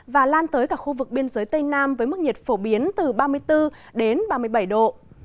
và lan tới cả khu vực biên giới tây nam với mức nhiệt phổ biến từ ba mươi bốn đến ba mươi bảy độ